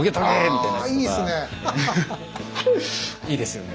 いいですよね。